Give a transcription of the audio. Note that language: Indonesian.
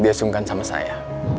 dia sungkan sama saya